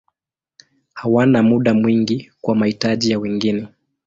Hawana muda mwingi kwa mahitaji ya wengine.